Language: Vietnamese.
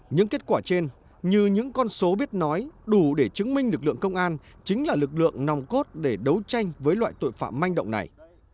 những kết quả trên như những con số biết nói đủ để chứng minh lực lượng công an chính là lực lượng nòng cốt để đấu tranh với loại tội phạm manh động này